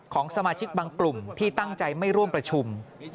ของสมาชิกบางกลุ่มที่ตั้งใจไม่ร่วมประชุม